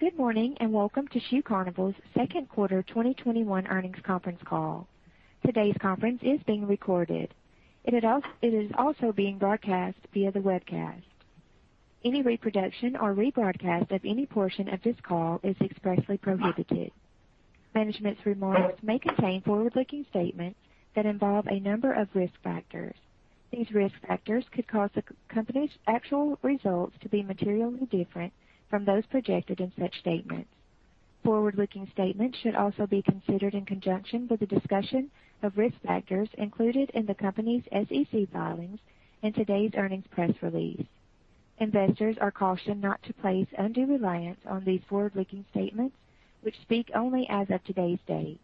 Good morning, and welcome to Shoe Carnival's second quarter 2021 earnings conference call. Today's conference is being recorded. It is also being broadcast via the webcast. Any reproduction or rebroadcast of any portion of this call is expressly prohibited. Management's remarks may contain forward-looking statements that involve a number of risk factors. These risk factors could cause the company's actual results to be materially different from those projected in such statements. Forward-looking statements should also be considered in conjunction with a discussion of risk factors included in the company's SEC filings and today's earnings press release. Investors are cautioned not to place undue reliance on these forward-looking statements, which speak only as of today's date.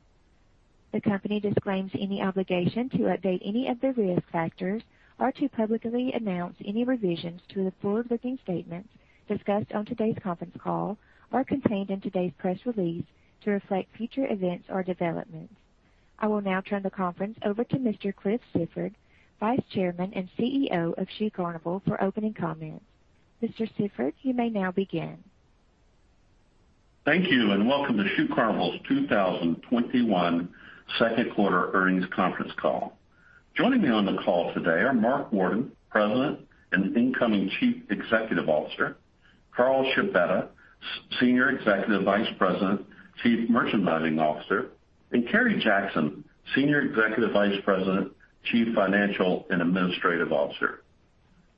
The company disclaims any obligation to update any of the risk factors or to publicly announce any revisions to the forward-looking statements discussed on today's conference call or contained in today's press release to reflect future events or developments. I will now turn the conference over to Mr. Cliff Sifford, Vice Chairman and CEO of Shoe Carnival, for opening comments. Mr. Sifford, you may now begin. Thank you, and welcome to Shoe Carnival's 2021 second quarter earnings conference call. Joining me on the call today are Mark Worden, President and incoming Chief Executive Officer, Carl Scibetta, Senior Executive Vice President, Chief Merchandising Officer, and Kerry Jackson, Senior Executive Vice President, Chief Financial and Administrative Officer.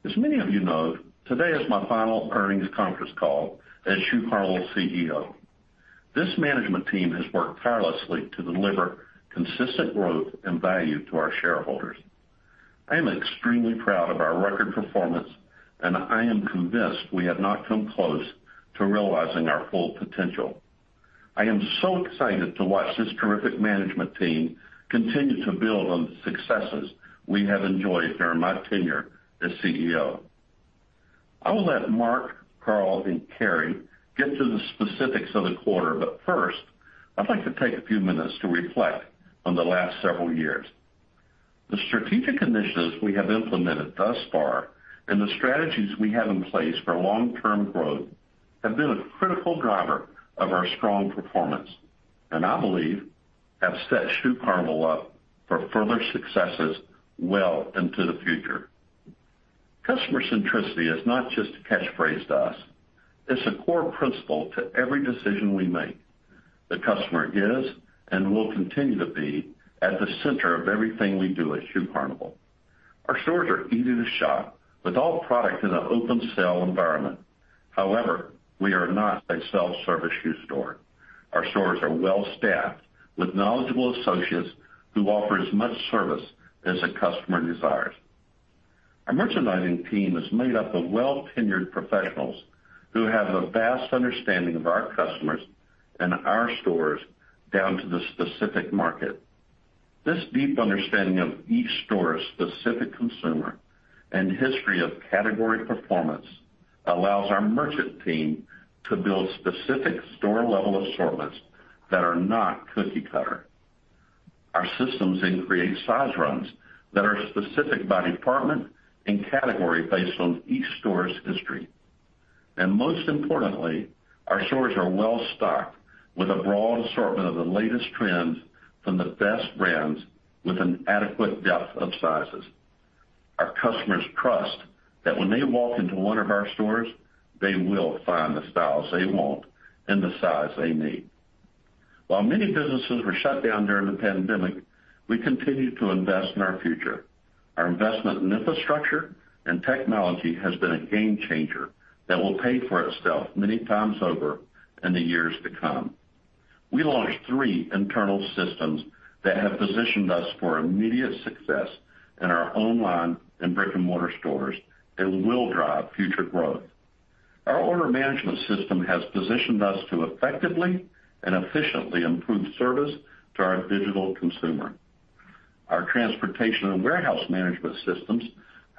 As many of you know, today is my final earnings conference call as Shoe Carnival's CEO. This management team has worked tirelessly to deliver consistent growth and value to our shareholders. I am extremely proud of our record performance, and I am convinced we have not come close to realizing our full potential. I am so excited to watch this terrific management team continue to build on the successes we have enjoyed during my tenure as CEO. I will let Mark, Carl, and Kerry get to the specifics of the quarter. First, I'd like to take a few minutes to reflect on the last several years. The strategic initiatives we have implemented thus far and the strategies we have in place for long-term growth have been a critical driver of our strong performance, and I believe have set Shoe Carnival up for further successes well into the future. Customer centricity is not just a catchphrase to us. It's a core principle to every decision we make. The customer is and will continue to be at the center of everything we do at Shoe Carnival. Our stores are easy to shop with all product in an open-sale environment. However, we are not a self-service shoe store. Our stores are well-staffed with knowledgeable associates who offer as much service as a customer desires. Our merchandising team is made up of well-tenured professionals who have a vast understanding of our customers and our stores down to the specific market. This deep understanding of each store's specific consumer and history of category performance allows our merchant team to build specific store-level assortments that are not cookie-cutter. Our systems create size runs that are specific by department and category based on each store's history. Most importantly, our stores are well-stocked with a broad assortment of the latest trends from the best brands with an adequate depth of sizes. Our customers trust that when they walk into one of our stores, they will find the styles they want in the size they need. While many businesses were shut down during the pandemic, we continued to invest in our future. Our investment in infrastructure and technology has been a game changer that will pay for itself many times over in the years to come. We launched three internal systems that have positioned us for immediate success in our online and brick-and-mortar stores and will drive future growth. Our order management system has positioned us to effectively and efficiently improve service to our digital consumer. Our transportation and warehouse management systems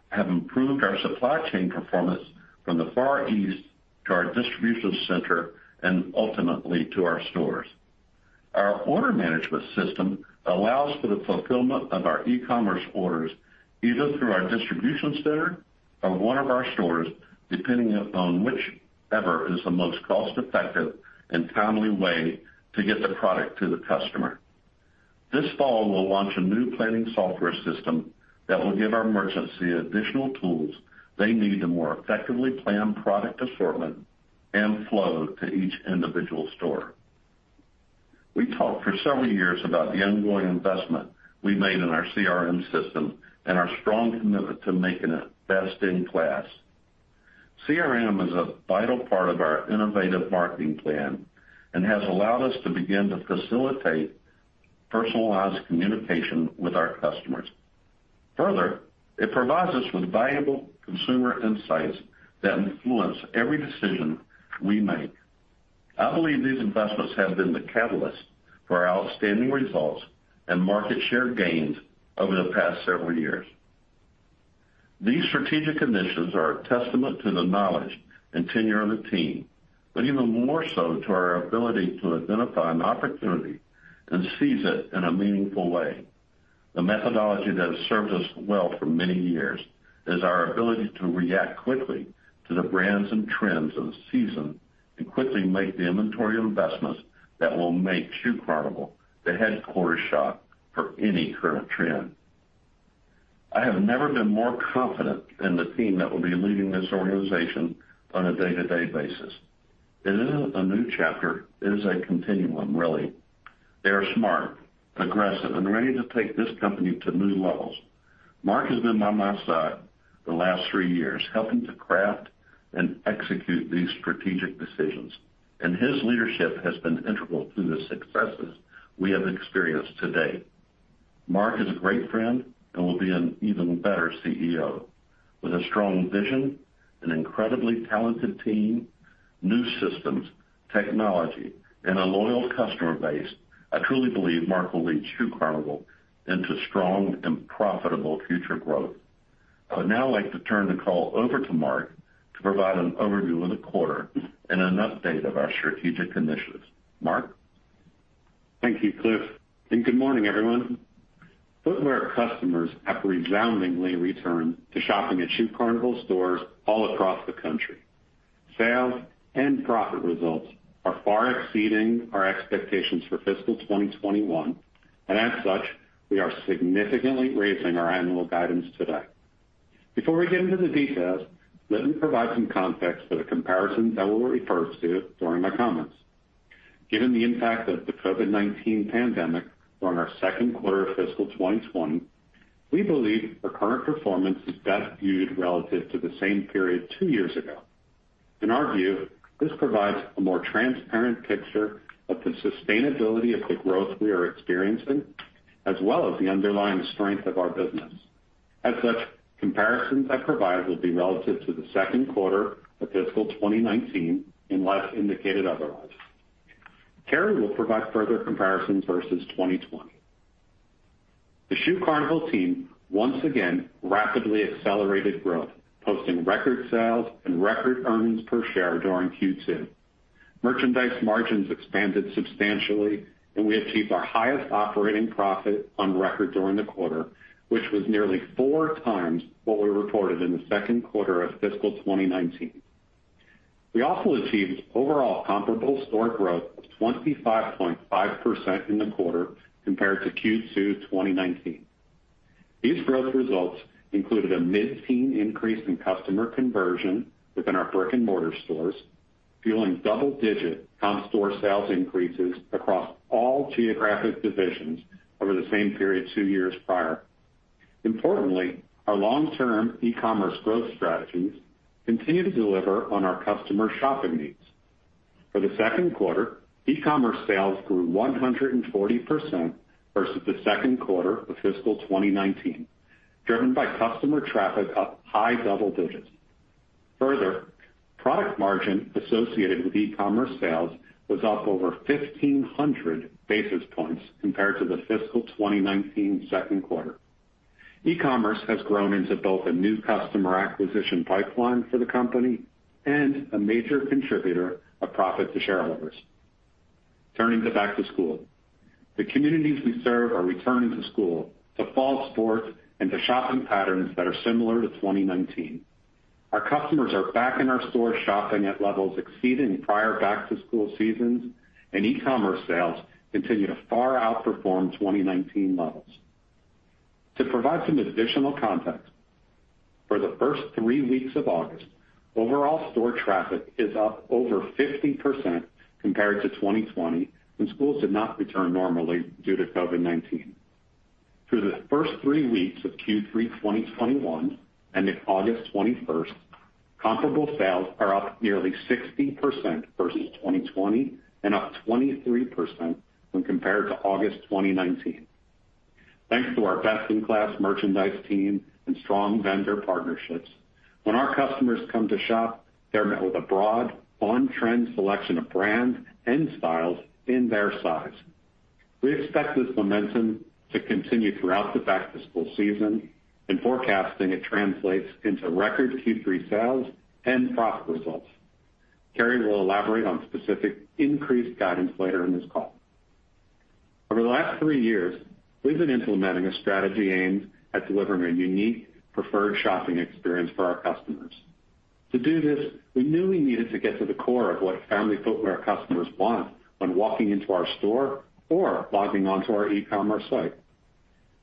have improved our supply chain performance from the Far East to our distribution center and ultimately to our stores. Our order management system allows for the fulfillment of our e-commerce orders either through our distribution center or one of our stores, depending upon whichever is the most cost-effective and timely way to get the product to the customer. This fall, we'll launch a new planning software system that will give our merchants the additional tools they need to more effectively plan product assortment and flow to each individual store. We talked for several years about the ongoing investment we made in our CRM system and our strong commitment to making it best in class. CRM is a vital part of our innovative marketing plan and has allowed us to begin to facilitate personalized communication with our customers. It provides us with valuable consumer insights that influence every decision we make. I believe these investments have been the catalyst for our outstanding results and market share gains over the past several years. These strategic initiatives are a testament to the knowledge and tenure of the team, but even more so to our ability to identify an opportunity and seize it in a meaningful way. The methodology that has served us well for many years is our ability to react quickly to the brands and trends of the season, and quickly make the inventory investments that will make Shoe Carnival the headquarters shop for any current trend. I have never been more confident in the team that will be leading this organization on a day-to-day basis. It isn't a new chapter, it is a continuum, really. They are smart, aggressive, and ready to take this company to new levels. Mark has been by my side the last three years, helping to craft and execute these strategic decisions, and his leadership has been integral to the successes we have experienced today. Mark is a great friend and will be an even better CEO. With a strong vision, an incredibly talented team, new systems, technology, and a loyal customer base, I truly believe Mark will lead Shoe Carnival into strong and profitable future growth. I would now like to turn the call over to Mark to provide an overview of the quarter and an update of our strategic initiatives. Mark? Thank you, Cliff, and good morning, everyone. Footwear customers have resoundingly returned to shopping at Shoe Carnival stores all across the country. Sales and profit results are far exceeding our expectations for fiscal 2021, and as such, we are significantly raising our annual guidance today. Before we get into the details, let me provide some context for the comparisons that we'll refer to during my comments. Given the impact of the COVID-19 pandemic during our second quarter of fiscal 2020, we believe our current performance is best viewed relative to the same period two years ago. In our view, this provides a more transparent picture of the sustainability of the growth we are experiencing, as well as the underlying strength of our business. As such, comparisons I provide will be relative to the second quarter of fiscal 2019, unless indicated otherwise. Kerry will provide further comparisons versus 2020. The Shoe Carnival team once again rapidly accelerated growth, posting record sales and record earnings per share during Q2. Merchandise margins expanded substantially, and we achieved our highest operating profit on record during the quarter, which was nearly four times what we reported in the second quarter of fiscal 2019. We also achieved overall comparable store growth of 25.5% in the quarter compared to Q2 2019. These growth results included a mid-teen increase in customer conversion within our brick-and-mortar stores, fueling double-digit comp store sales increases across all geographic divisions over the same period two years prior. Importantly, our long-term e-commerce growth strategies continue to deliver on our customers' shopping needs. For the second quarter, e-commerce sales grew 140% versus the second quarter of fiscal 2019, driven by customer traffic up high double digits. Further, product margin associated with e-commerce sales was up over 1,500 basis points compared to the fiscal 2019 second quarter. E-commerce has grown into both a new customer acquisition pipeline for the company and a major contributor of profit to shareholders. Turning to back to school. The communities we serve are returning to school, to fall sports, and to shopping patterns that are similar to 2019. Our customers are back in our stores shopping at levels exceeding prior back-to-school seasons, and e-commerce sales continue to far outperform 2019 levels. To provide some additional context, for the first three weeks of August, overall store traffic is up over 50% compared to 2020, when schools did not return normally due to COVID-19. Through the first three weeks of Q3 2021, ending August 21st, comparable sales are up nearly 60% versus 2020 and up 23% when compared to August 2019. Thanks to our best-in-class merchandise team and strong vendor partnerships, when our customers come to shop, they're met with a broad, on-trend selection of brands and styles in their size. We expect this momentum to continue throughout the back-to-school season. In forecasting, it translates into record Q3 sales and profit results. Kerry will elaborate on specific increased guidance later in this call. Over the last three years, we've been implementing a strategy aimed at delivering a unique, preferred shopping experience for our customers. To do this, we knew we needed to get to the core of what family footwear customers want when walking into our store or logging on to our e-commerce site.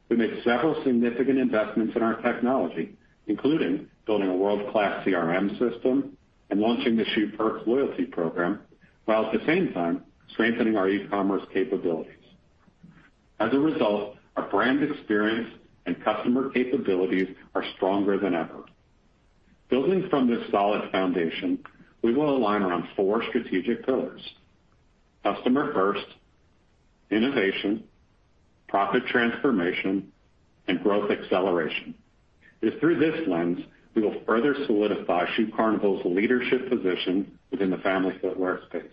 We made several significant investments in our technology, including building a world-class CRM system and launching the Shoe Perks loyalty program, while at the same time strengthening our e-commerce capabilities. As a result, our brand experience and customer capabilities are stronger than ever. Building from this solid foundation, we will align around four strategic pillars: Customer First, Innovation, Profit Transformation, and Growth Acceleration. It is through this lens we will further solidify Shoe Carnival's leadership position within the family footwear space.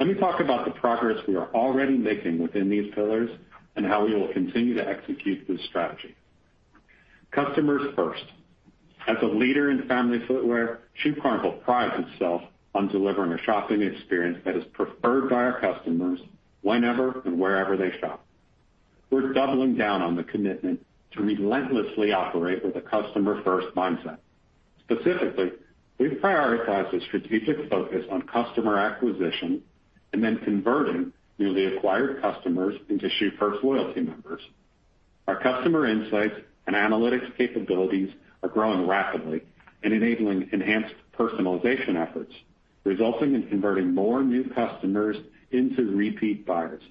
Let me talk about the progress we are already making within these pillars and how we will continue to execute this strategy. Customer First. As a leader in family footwear, Shoe Carnival prides itself on delivering a shopping experience that is preferred by our customers whenever and wherever they shop. We're doubling down on the commitment to relentlessly operate with a customer-first mindset. Specifically, we've prioritized a strategic focus on customer acquisition and then converting newly acquired customers into Shoe Perks loyalty members. Our customer insights and analytics capabilities are growing rapidly and enabling enhanced personalization efforts, resulting in converting more new customers into repeat buyers.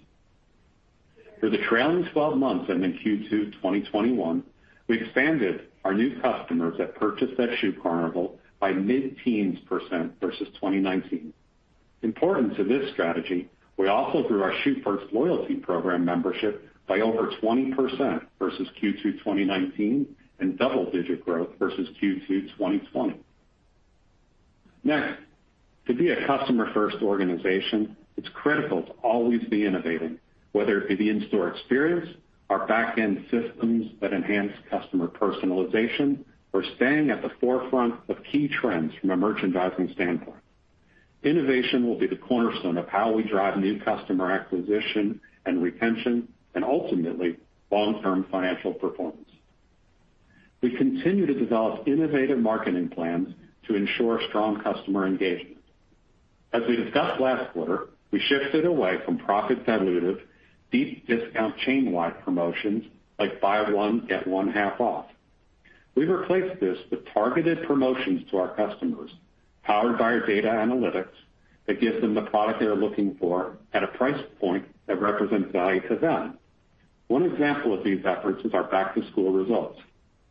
For the trailing 12 months and in Q2 2022, we expanded our new customers that purchased at Shoe Carnival by mid-teens% versus 2019. Important to this strategy, we also grew our Shoe Perks loyalty program membership by over 20% versus Q2 2019 and double-digit growth versus Q2 2020. Next, to be a customer-first organization, it's critical to always be innovating, whether it be the in-store experience, our back-end systems that enhance customer personalization, or staying at the forefront of key trends from a merchandising standpoint. Innovation will be the cornerstone of how we drive new customer acquisition and retention, and ultimately, long-term financial performance. We continue to develop innovative marketing plans to ensure strong customer engagement. As we discussed last quarter, we shifted away from profit-dilutive, deep discount chain-wide promotions like buy one, get one half off. We replaced this with targeted promotions to our customers, powered by our data analytics that gives them the product they're looking for at a price point that represents value to them. One example of these efforts is our back-to-school results,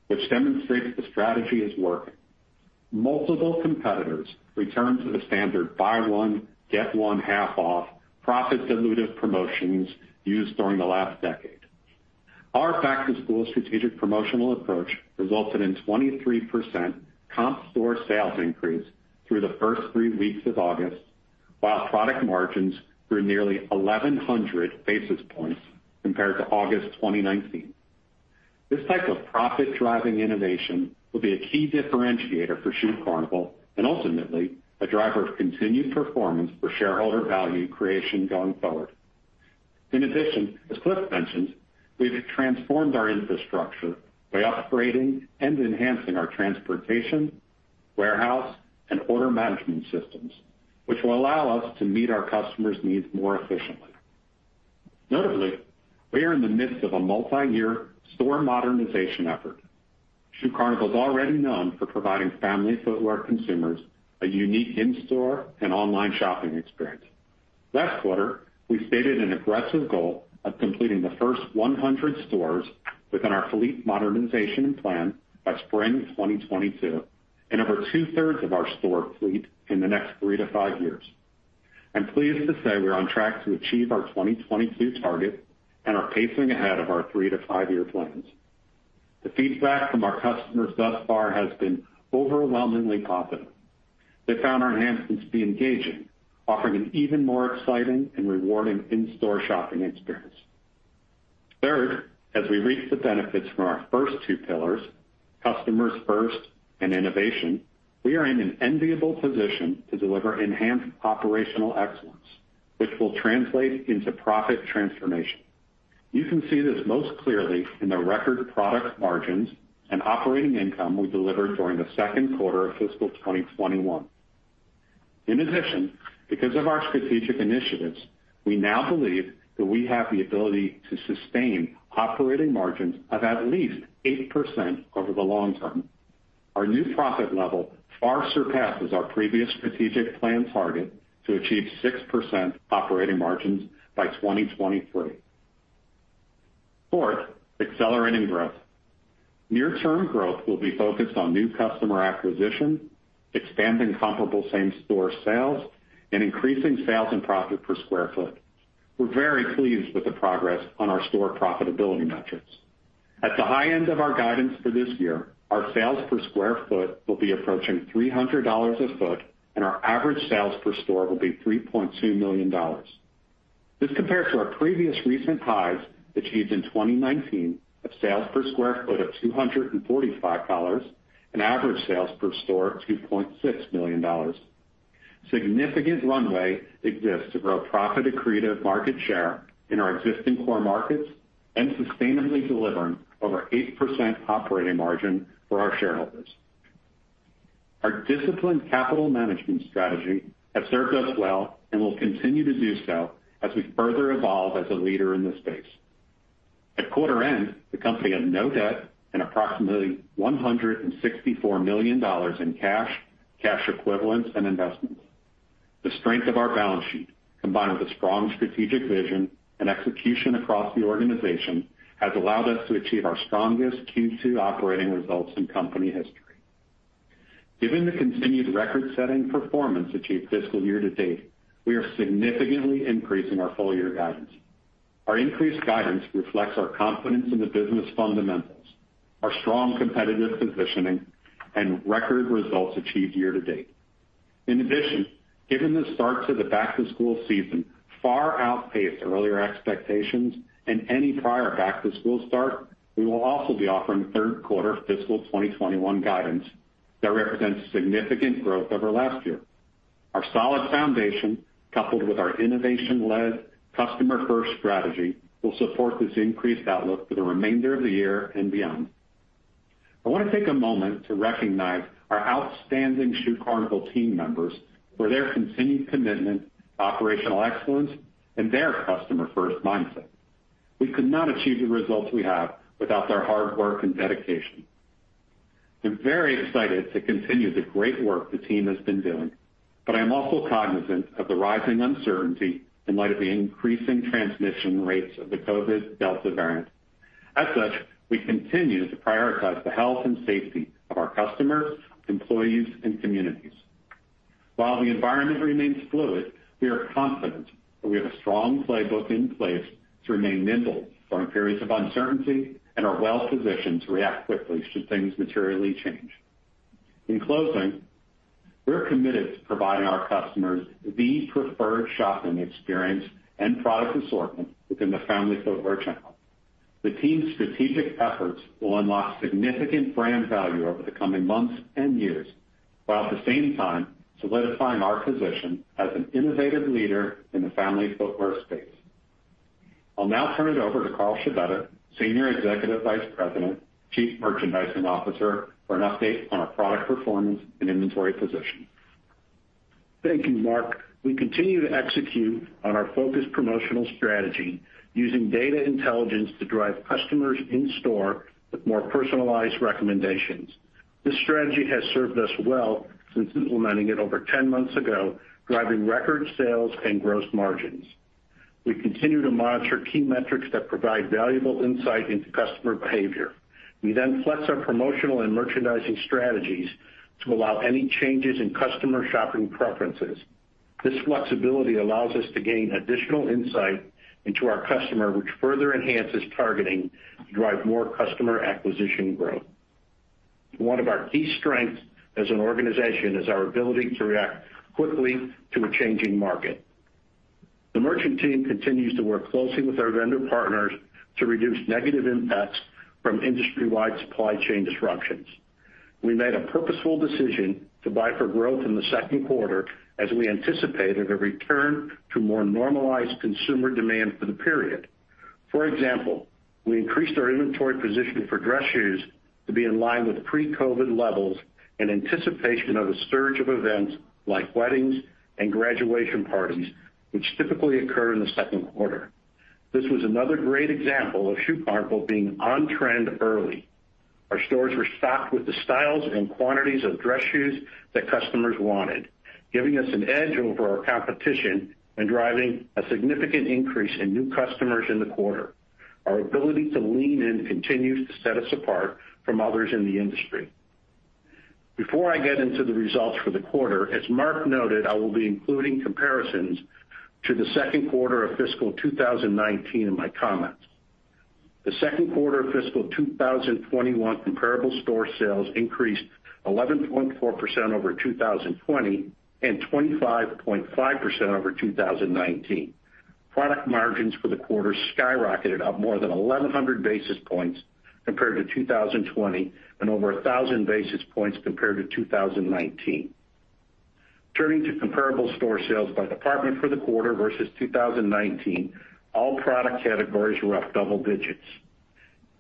which demonstrates the strategy is working. Multiple competitors returned to the standard buy one, get one half off profit-dilutive promotions used during the last decade. Our back-to-school strategic promotional approach resulted in 23% comp store sales increase through the first three weeks of August, while product margins grew nearly 1,100 basis points compared to August 2019. This type of profit-driving innovation will be a key differentiator for Shoe Carnival, and ultimately, a driver of continued performance for shareholder value creation going forward. In addition, as Cliff mentioned, we've transformed our infrastructure by upgrading and enhancing our transportation, warehouse, and order management systems, which will allow us to meet our customers' needs more efficiently. Notably, we are in the midst of a multi-year store modernization effort. Shoe Carnival is already known for providing family footwear consumers a unique in-store and online shopping experience. Last quarter, we stated an aggressive goal of completing the first 100 stores within our fleet modernization plan by spring 2022, and over two-thirds of our store fleet in the next three to five years. I'm pleased to say we're on track to achieve our 2022 target and are pacing ahead of our three to five-year plans. The feedback from our customers thus far has been overwhelmingly positive. They found our enhancements to be engaging, offering an even more exciting and rewarding in-store shopping experience. Third, as we reap the benefits from our first two pillars, customers first and innovation, we are in an enviable position to deliver enhanced operational excellence, which will translate into profit transformation. You can see this most clearly in the record product margins and operating income we delivered during the second quarter of fiscal 2021. In addition, because of our strategic initiatives, we now believe that we have the ability to sustain operating margins of at least 8% over the long term. Our new profit level far surpasses our previous strategic plan target to achieve 6% operating margins by 2023. Fourth, accelerating growth. Near-term growth will be focused on new customer acquisition, expanding comparable same-store sales, and increasing sales and profit per square foot. We're very pleased with the progress on our store profitability metrics. At the high end of our guidance for this year, our sales per square foot will be approaching $300 a foot, and our average sales per store will be $3.2 million. This compares to our previous recent highs achieved in 2019 of sales per square foot of $245, and average sales per store, $2.6 million. Significant runway exists to grow profit accretive market share in our existing core markets and sustainably delivering over 8% operating margin for our shareholders. Our disciplined capital management strategy has served us well and will continue to do so as we further evolve as a leader in this space. At quarter end, the company had no debt and approximately $164 million in cash equivalents, and investments. The strength of our balance sheet, combined with a strong strategic vision and execution across the organization, has allowed us to achieve our strongest Q2 operating results in company history. Given the continued record-setting performance achieved fiscal year to date, we are significantly increasing our full-year guidance. Our increased guidance reflects our confidence in the business fundamentals, our strong competitive positioning, and record results achieved year to date. In addition, given the start to the back-to-school season far outpaced earlier expectations and any prior back-to-school start, we will also be offering third quarter fiscal 2021 guidance that represents significant growth over last year. Our solid foundation, coupled with our innovation-led, customer-first strategy, will support this increased outlook for the remainder of the year and beyond. I want to take a moment to recognize our outstanding Shoe Carnival team members for their continued commitment to operational excellence and their customer-first mindset. We could not achieve the results we have without their hard work and dedication. I'm very excited to continue the great work the team has been doing, but I am also cognizant of the rising uncertainty in light of the increasing transmission rates of the COVID Delta variant. As such, we continue to prioritize the health and safety of our customers, employees, and communities. While the environment remains fluid, we are confident that we have a strong playbook in place to remain nimble during periods of uncertainty and are well-positioned to react quickly should things materially change. In closing, we're committed to providing our customers the preferred shopping experience and product assortment within the family footwear channel. The team's strategic efforts will unlock significant brand value over the coming months and years, while at the same time solidifying our position as an innovative leader in the family footwear space. I'll now turn it over to Carl Scibetta, Senior Executive Vice President, Chief Merchandising Officer, for an update on our product performance and inventory position. Thank you, Mark. We continue to execute on our focused promotional strategy using data intelligence to drive customers in-store with more personalized recommendations. This strategy has served us well since implementing it over 10 months ago, driving record sales and gross margins. We continue to monitor key metrics that provide valuable insight into customer behavior. We flex our promotional and merchandising strategies to allow any changes in customer shopping preferences. This flexibility allows us to gain additional insight into our customer, which further enhances targeting to drive more customer acquisition growth. One of our key strengths as an organization is our ability to react quickly to a changing market. The merchant team continues to work closely with our vendor partners to reduce negative impacts from industry-wide supply chain disruptions. We made a purposeful decision to buy for growth in the second quarter as we anticipated a return to more normalized consumer demand for the period. For example, we increased our inventory position for dress shoes to be in line with pre-COVID levels in anticipation of a surge of events like weddings and graduation parties, which typically occur in the second quarter. This was another great example of Shoe Carnival being on trend early. Our stores were stocked with the styles and quantities of dress shoes that customers wanted, giving us an edge over our competition and driving a significant increase in new customers in the quarter. Our ability to lean in continues to set us apart from others in the industry. Before I get into the results for the quarter, as Mark noted, I will be including comparisons to the second quarter of fiscal 2019 in my comments. The second quarter of fiscal 2021 comparable store sales increased 11.4% over 2020 and 25.5% over 2019. Product margins for the quarter skyrocketed up more than 1,100 basis points compared to 2020 and over 1,000 basis points compared to 2019. Turning to comparable store sales by department for the quarter versus 2019, all product categories were up double digits.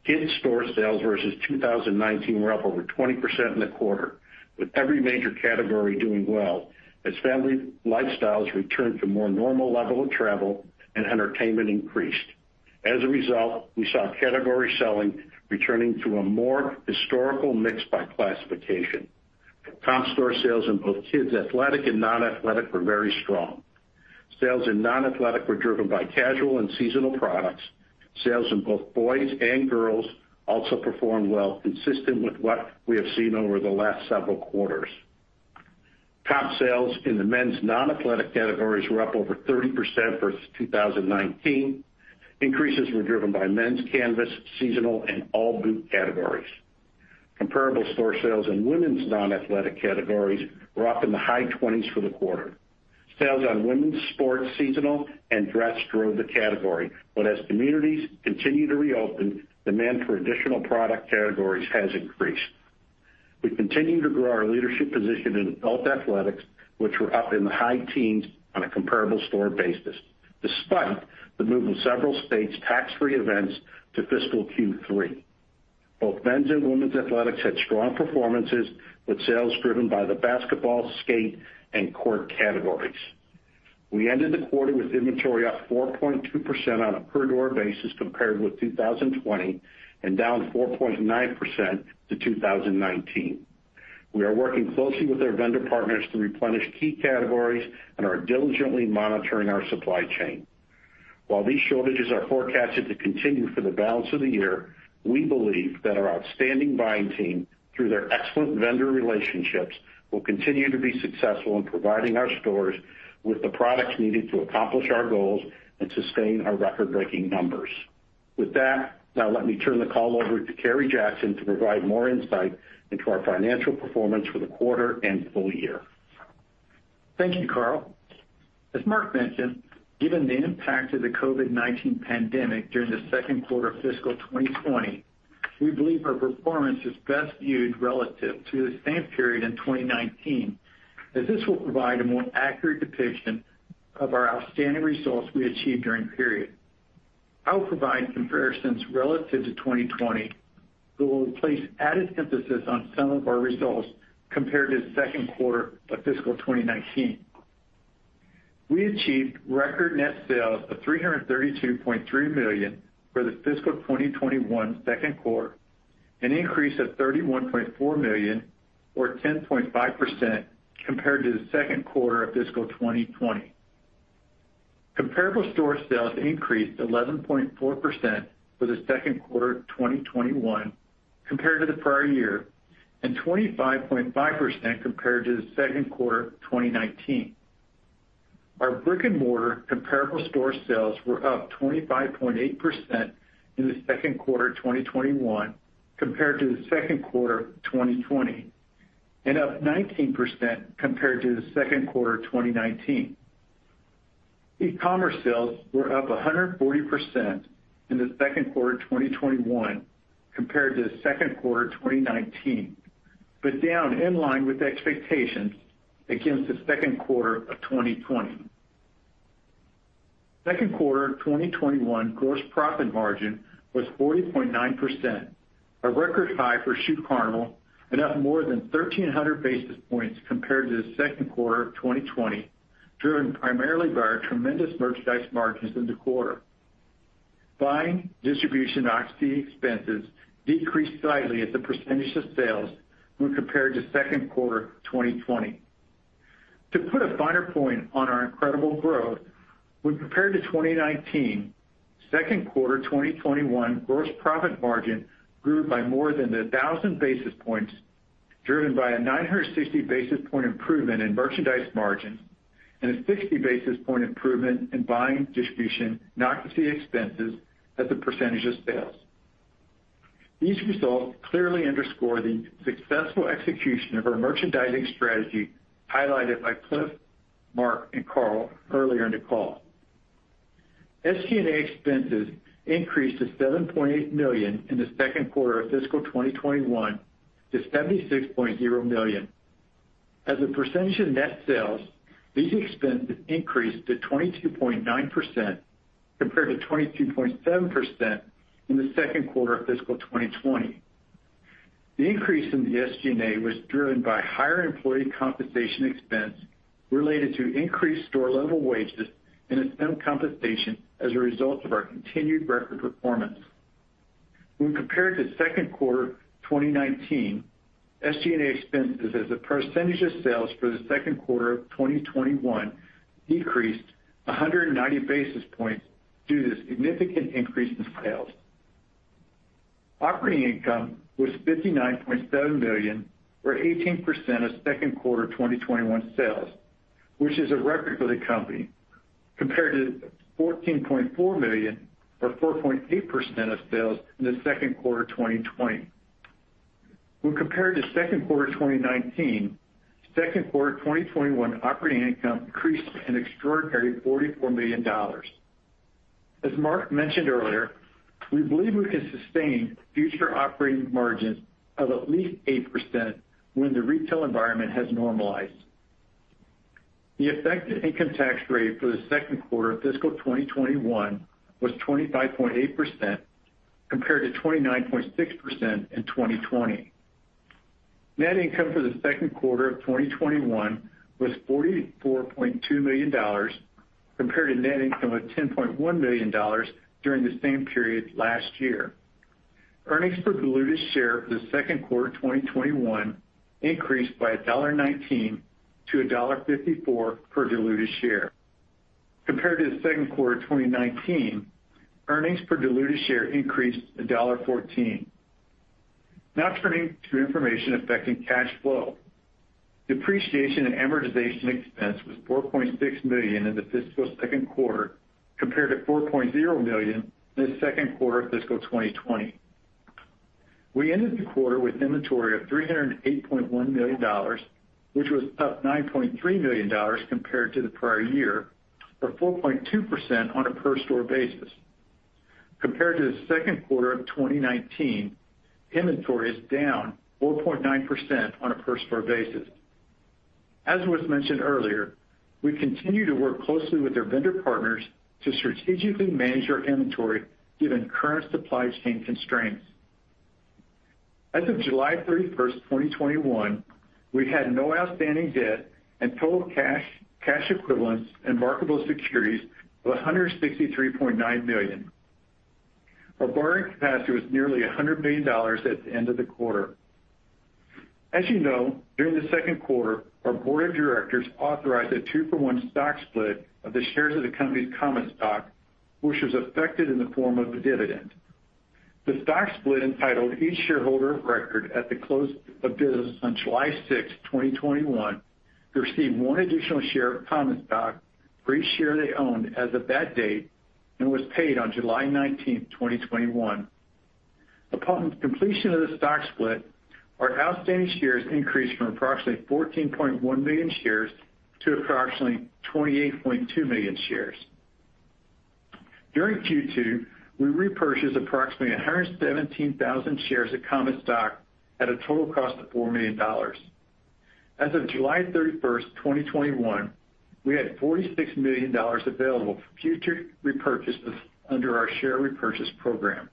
Kids store sales versus 2019 were up over 20% in the quarter, with every major category doing well as family lifestyles returned to more normal level of travel and entertainment increased. As a result, we saw category selling returning to a more historical mix by classification. Comp store sales in both kids athletic and non-athletic were very strong. Sales in non-athletic were driven by casual and seasonal products. Sales in both boys and girls also performed well, consistent with what we have seen over the last several quarters. Comp sales in the men's non-athletic categories were up over 30% versus 2019. Increases were driven by men's canvas, seasonal, and all boot categories. Comparable store sales in women's non-athletic categories were up in the high 20s for the quarter. Sales on women's sports seasonal and dress drove the category. As communities continue to reopen, demand for additional product categories has increased. We continue to grow our leadership position in adult athletics, which were up in the high teens on a comparable store basis, despite the move of several states' tax-free events to fiscal Q3. Both men's and women's athletics had strong performances, with sales driven by the basketball, skate, and court categories. We ended the quarter with inventory up 4.2% on a per-door basis compared with 2020 and down 4.9% to 2019. We are working closely with our vendor partners to replenish key categories and are diligently monitoring our supply chain. While these shortages are forecasted to continue for the balance of the year, we believe that our outstanding buying team, through their excellent vendor relationships, will continue to be successful in providing our stores with the products needed to accomplish our goals and sustain our record-breaking numbers. With that, now let me turn the call over to Kerry Jackson to provide more insight into our financial performance for the quarter and full year. Thank you, Carl Scibetta. As Mark Worden mentioned, given the impact of the COVID-19 pandemic during the second quarter of fiscal 2020, we believe our performance is best viewed relative to the same period in 2019, as this will provide a more accurate depiction of our outstanding results we achieved during the period. I will provide comparisons relative to 2020, will place added emphasis on some of our results compared to the second quarter of fiscal 2019. We achieved record net sales of $332.3 million for the fiscal 2021 second quarter, an increase of $31.4 million or 10.5% compared to the second quarter of fiscal 2020. Comparable store sales increased 11.4% for the second quarter of 2021 compared to the prior year, 25.5% compared to the second quarter of 2019. Our brick-and-mortar comparable store sales were up 25.8% in the second quarter of 2021 compared to the second quarter of 2020, and up 19% compared to the second quarter of 2019. E-commerce sales were up 140% in the second quarter of 2021 compared to the second quarter of 2019, but down in line with expectations against the second quarter of 2020. Second quarter of 2021 gross profit margin was 40.9%, a record high for Shoe Carnival, and up more than 1,300 basis points compared to the second quarter of 2020, driven primarily by our tremendous merchandise margins in the quarter. Buying, distribution, occupancy expenses decreased slightly as a percentage of sales when compared to second quarter 2020. To put a finer point on our incredible growth, when compared to 2019, second quarter 2021 gross profit margin grew by more than 1,000 basis points, driven by a 960 basis point improvement in merchandise margins, and a 60 basis point improvement in buying distribution, occupancy expenses as a percentage of sales. These results clearly underscore the successful execution of our merchandising strategy highlighted by Cliff, Mark, and Carl earlier in the call. SG&A expenses increased to $7.8 million in the second quarter of fiscal 2021 to $76.0 million. As a percentage of net sales, these expenses increased to 22.9% compared to 22.7% in the second quarter of fiscal 2020. The increase in the SG&A was driven by higher employee compensation expense related to increased store-level wages and incentive compensation as a result of our continued record performance. When compared to second quarter 2019, SG&A expenses as a percentage of sales for the second quarter of 2021 decreased 190 basis points due to the significant increase in sales. Operating income was $59.7 million or 18% of second quarter 2021 sales, which is a record for the company, compared to $14.4 million or 4.8% of sales in the second quarter 2020. When compared to second quarter 2019, second quarter 2021 operating income increased an extraordinary $44 million. As Mark mentioned earlier, we believe we can sustain future operating margins of at least 8% when the retail environment has normalized. The effective income tax rate for the second quarter of fiscal 2021 was 25.8%, compared to 29.6% in 2020. Net income for the second quarter of 2021 was $44.2 million, compared to net income of $10.1 million during the same period last year. Earnings per diluted share for the second quarter of 2021 increased by $1.19 to $1.54 per diluted share. Compared to the second quarter of 2019, earnings per diluted share increased $1.14. Now, turning to information affecting cash flow. Depreciation and amortization expense was $4.6 million in the fiscal second quarter compared to $4.0 million in the second quarter of fiscal 2020. We ended the quarter with inventory of $308.1 million, which was up $9.3 million compared to the prior year, or 4.2% on a per store basis. Compared to the second quarter of 2019, inventory is down 4.9% on a per store basis. As was mentioned earlier, we continue to work closely with their vendor partners to strategically manage our inventory given current supply chain constraints. As of July 31st, 2021, we had no outstanding debt and total cash equivalents, and marketable securities of $163.9 million. Our borrowing capacity was nearly $100 million at the end of the quarter. As you know, during the second quarter, our board of directors authorized a two for one stock split of the shares of the company's common stock, which was affected in the form of a dividend. The stock split entitled each shareholder of record at the close of business on July 6th, 2021, to receive one additional share of common stock for each share they owned as of that date, and was paid on July 19th, 2021. Upon completion of the stock split, our outstanding shares increased from approximately 14.1 million shares to approximately 28.2 million shares. During Q2, we repurchased approximately 117,000 shares of common stock at a total cost of $4 million. As of July 31st, 2021, we had $46 million available for future repurchases under our share repurchase program.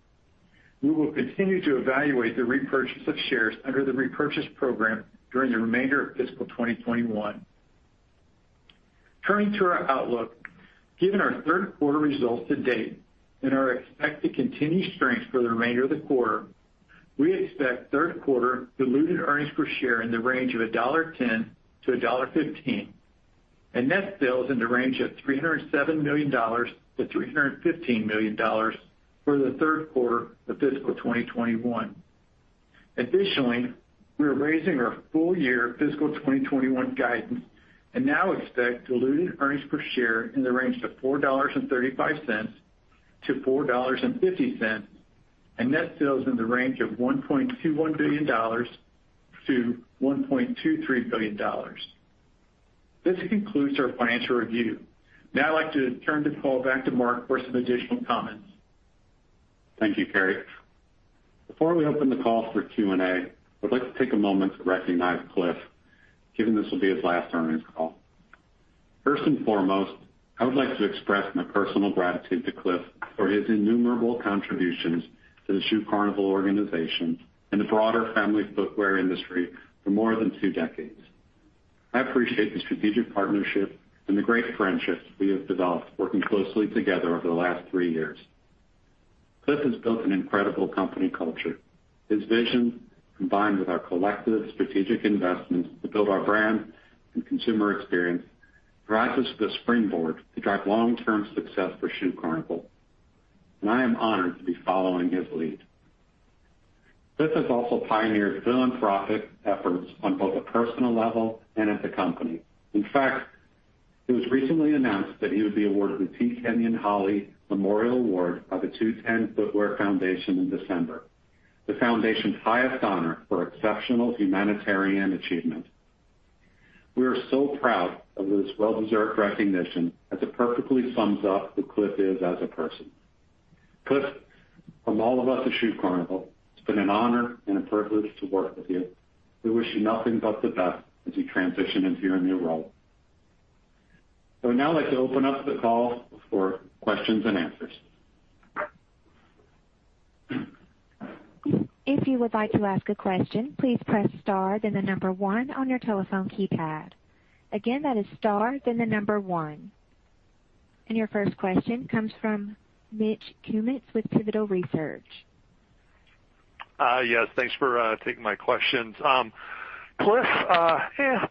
We will continue to evaluate the repurchase of shares under the repurchase program during the remainder of fiscal 2021. Turning to our outlook, given our third quarter results to date and our expected continued strength for the remainder of the quarter, we expect third quarter diluted earnings per share in the range of $1.10-$1.15, and net sales in the range of $307 million-$315 million for the third quarter of fiscal 2021. Additionally, we are raising our full year fiscal 2021 guidance and now expect diluted earnings per share in the range of $4.35-$4.50, and net sales in the range of $1.21 billion-$1.23 billion. This concludes our financial review. Now I'd like to turn this call back to Mark for some additional comments. Thank you, Kerry. Before we open the call for Q&A, I would like to take a moment to recognize Cliff, given this will be his last earnings call. First and foremost, I would like to express my personal gratitude to Cliff Sifford for his innumerable contributions to the Shoe Carnival organization and the broader family footwear industry for more than two decades. I appreciate the strategic partnership and the great friendship we have developed working closely together over the last three years. Cliff Sifford has built an incredible company culture. His vision, combined with our collective strategic investments to build our brand and consumer experience, provides us with a springboard to drive long-term success for Shoe Carnival, and I am honored to be following his lead. Cliff Sifford has also pioneered philanthropic efforts on both a personal level and at the company. It was recently announced that he would be awarded the T. Kenyon Holly Memorial Award by the Two Ten Footwear Foundation in December, the foundation's highest honor for exceptional humanitarian achievement. We are so proud of this well-deserved recognition, as it perfectly sums up who Cliff is as a person. Cliff, from all of us at Shoe Carnival, it's been an honor and a privilege to work with you. We wish you nothing but the best as you transition into your new role. I would now like to open up the call for questions and answers. If you would like to ask a question, please press star, then the number one on your telephone keypad. Again, that is star, then the number one. Your first question comes from Mitchel Kummetz with Pivotal Research Group. Yes, thanks for taking my questions. Cliff,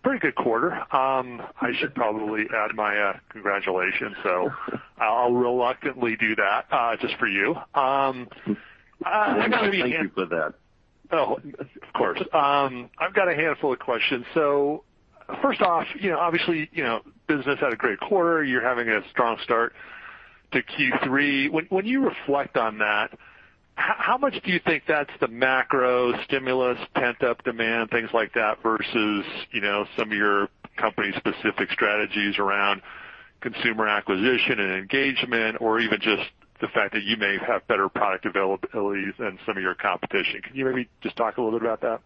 pretty good quarter. I should probably add my congratulations, so I will reluctantly do that just for you. Thank you for that. Of course. I've got a handful of questions. First off, obviously, business had a great quarter. You're having a strong start to Q3. When you reflect on that, how much do you think that's the macro stimulus, pent-up demand, things like that, versus some of your company's specific strategies around consumer acquisition and engagement, or even just the fact that you may have better product availability than some of your competition? Can you maybe just talk a little bit about that?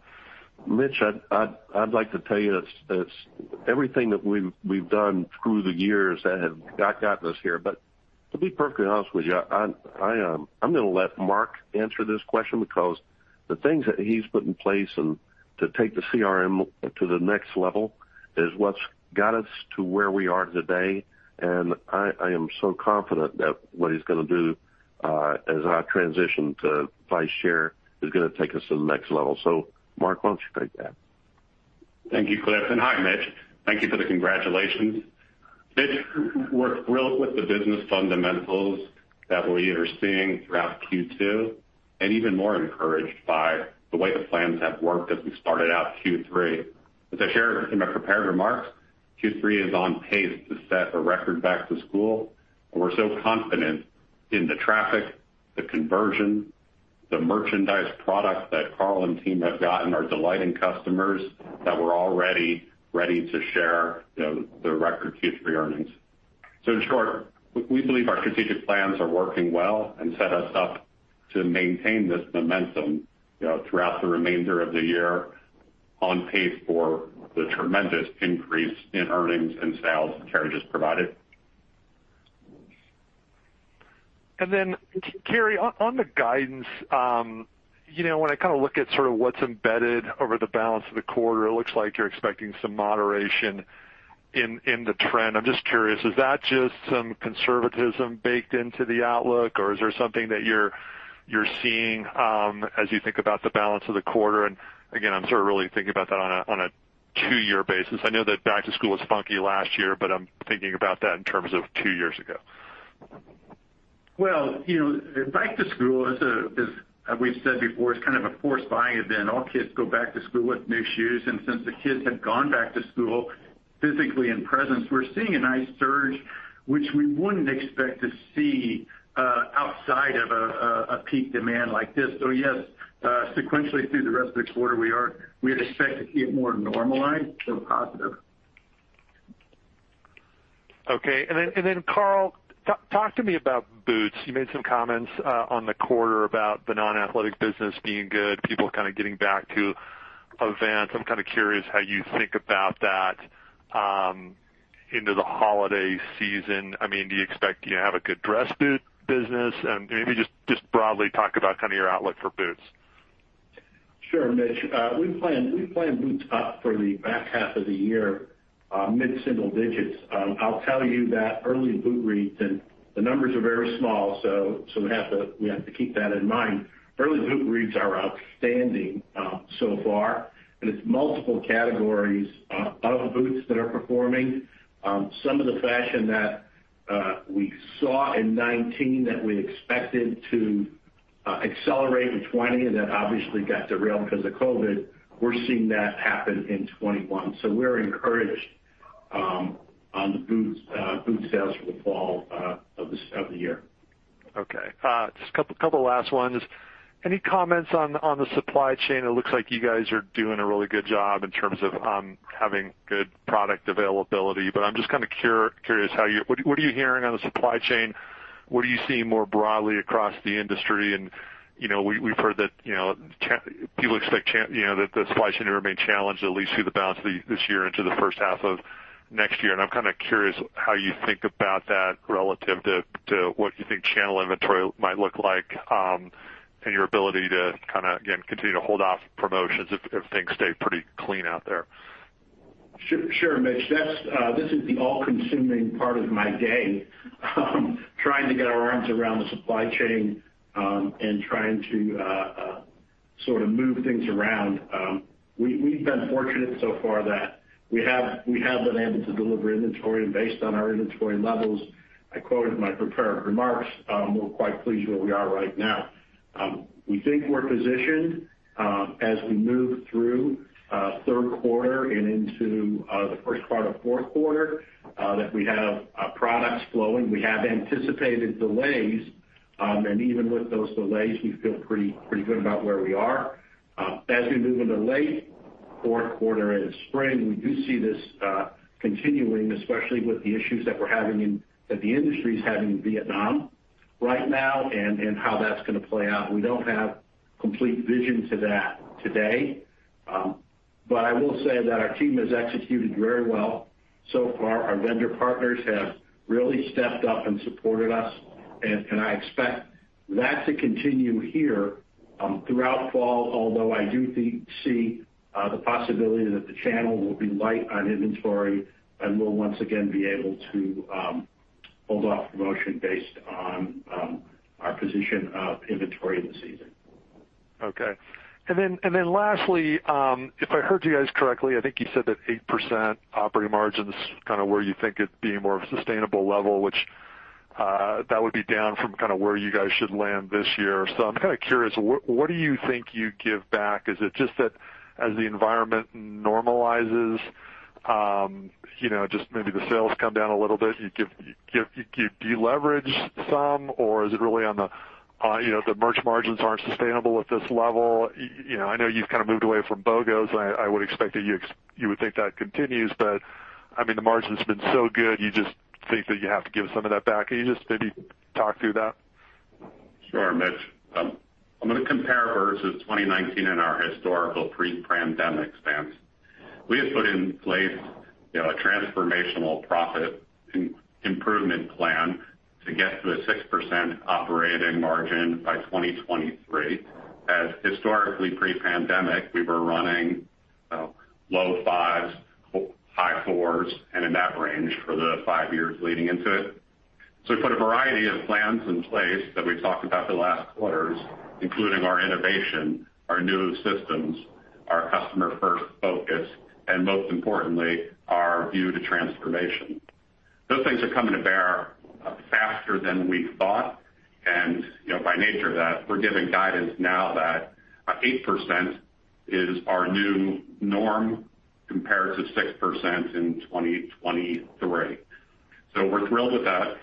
Mitch, I'd like to tell you it's everything that we've done through the years that has got us here. To be perfectly honest with you, I'm going to let Mark answer this question because the things that he's put in place to take the CRM to the next level is what's got us to where we are today. I am so confident that what he's going to do as I transition to vice chair is going to take us to the next level. Mark, why don't you take that? Thank you, Cliff, and hi, Mitch. Thank you for the congratulations. Mitch, we're thrilled with the business fundamentals that we are seeing throughout Q2 and even more encouraged by the way the plans have worked as we started out Q3. As I shared in my prepared remarks, Q3 is on pace to set a record back to school, and we're so confident in the traffic, the conversion, the merchandise product that Carl Scibetta and team have gotten are delighting customers that we're already ready to share the record Q3 earnings. In short, we believe our strategic plans are working well and set us up to maintain this momentum throughout the remainder of the year on pace for the tremendous increase in earnings and sales that Kerry Jackson just provided. Kerry, on the guidance, when I look at what's embedded over the balance of the quarter, it looks like you're expecting some moderation in the trend. I'm just curious, is that just some conservatism baked into the outlook? Is there something that you're seeing as you think about the balance of the quarter? Again, I'm really thinking about that on a two year basis. I know that back to school was funky last year, but I'm thinking about that in terms of two years ago. Well you know, Back to school, as we've said before, is kind of a forced buying event. All kids go back to school with new shoes. Since the kids have gone back to school physically in presence, we're seeing a nice surge, which we wouldn't expect to see outside of a peak demand like this. So yes, sequentially through the rest of the quarter, we would expect to see it more normalized. Positive. Okay, and then Carl, talk to me about boots. You made some comments on the quarter about the non-athletic business being good, people kind of getting back to events. I'm kind of curious how you think about that into the holiday season. Do you expect to have a good dress boot business? Maybe just broadly talk about kind of your outlook for boots. Sure, Mitch. We plan boots up for the back half of the year, mid-single digits. I'll tell you that early boot reads, and the numbers are very small, so we have to keep that in mind. Early boot reads are outstanding so far, and it's multiple categories of boots that are performing. Some of the fashion that we saw in 2019 that we expected to accelerate in 2020, and that obviously got derailed because of COVID, we're seeing that happen in 2021. We're encouraged on boots sales for the fall of this year. Okay. Just a couple of last ones. Any comments on the supply chain? It looks like you guys are doing a really good job in terms of having good product availability, but I'm just kind of curious, what are you hearing on the supply chain? What are you seeing more broadly across the industry? You know we've heard that people expect that the supply chain will remain challenged at least through the balance of this year into the first half of next year. I'm kind of curious how you think about that relative to what you think channel inventory might look like, and your ability to kind of, again, continue to hold off promotions if things stay pretty clean out there. Sure, Mitch. This is the all-consuming part of my day, trying to get our arms around the supply chain, and trying to sort of move things around. We've been fortunate so far that we have been able to deliver inventory. Based on our inventory levels, I quoted in my prepared remarks, we're quite pleased where we are right now. We think we're positioned, as we move through third quarter and into the first part of fourth quarter, that we have products flowing. We have anticipated delays, and even with those delays, we feel pretty good about where we are. As we move into late fourth quarter and spring, we do see this continuing, especially with the issues that the industry's having in Vietnam right now, and how that's going to play out. We don't have complete vision to that today. But I will say that our team has executed very well so far. Our vendor partners have really stepped up and supported us. I expect that to continue here throughout fall. I do see the possibility that the channel will be light on inventory and will once again be able to hold off promotion based on our position of inventory this season. Okay. Lastly, if I heard you guys correctly, I think you said that 8% operating margin's kind of where you think it'd be more of a sustainable level, which that would be down from kind of where you guys should land this year. I'm kind of curious, what do you think you'd give back? Is it just that as the environment normalizes, just maybe the sales come down a little bit, you deleverage some? Is it really on the merch margins aren't sustainable at this level? I know you've kind of moved away from BOGOs. I would expect that you would think that continues, I mean, the margin's been so good, you just think that you have to give some of that back. Can you just maybe talk through that? Sure, Mitchel. I'm gonna compare versus 2019 and our historical pre-pandemic stance. We have put in place a transformational profit improvement plan to get to a 6% operating margin by 2023. Historically pre-pandemic, we were running low 5%, high 4%, and in that range for the five years leading into it. We put a variety of plans in place that we've talked about the last quarters, including our innovation, our new systems, our customer-first focus, and most importantly, our view to transformation. Those things are coming to bear faster than we thought, and by nature of that, we're giving guidance now that 8% is our new norm compared to 6% in 2023. We're thrilled with that.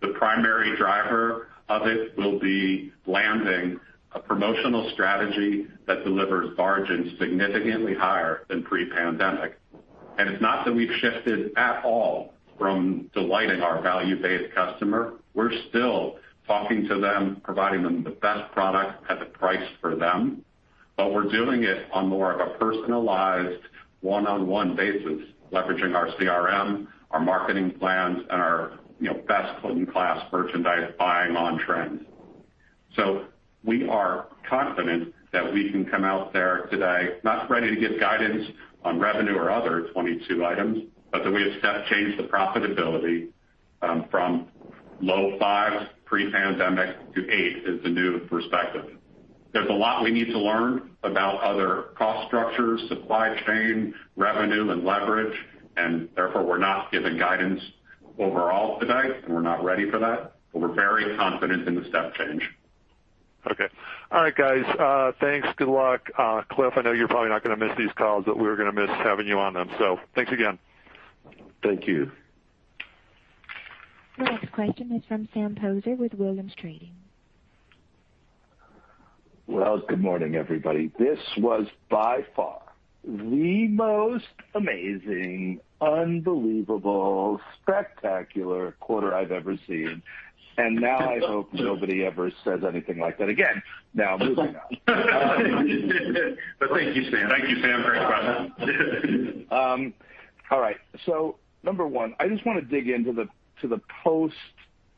The primary driver of it will be landing a promotional strategy that delivers margins significantly higher than pre-pandemic. It's not that we've shifted at all from delighting our value-based customer. We're still talking to them, providing them the best product at the price for them, but we're doing it on more of a personalized one-on-one basis, leveraging our CRM, our marketing plans, and our best-in-class merchandise buying on trend. We are confident that we can come out there today, not ready to give guidance on revenue or other 2022 items, but that we have changed the profitability from. Low five pre-pandemic to eight is the new perspective. There's a lot we need to learn about other cost structures, supply chain, revenue, and leverage, and therefore we're not giving guidance overall today, and we're not ready for that. We're very confident in the step change. Okay. All right, guys. Thanks. Good luck. Cliff, I know you're probably not going to miss these calls, but we're going to miss having you on them. Thanks again. Thank you. The next question is from Sam Poser with Williams Trading. Well, good morning, everybody. This was by far the most amazing, unbelievable, spectacular quarter I've ever seen. Now I hope nobody ever says anything like that again. Now, moving on. Thank you, Sam. Thank you, Sam, very impressive. All right. Number one, I just want to dig into the post